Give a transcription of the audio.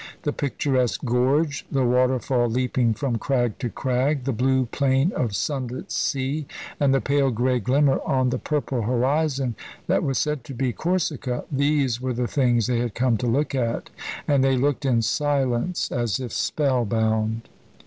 The picturesque gorge, the waterfall leaping from crag to crag, the blue plane of sunlit sea, and the pale grey glimmer on the purple horizon that was said to be Corsica these were the things they had come to look at, and they looked in silence, as if spell bound.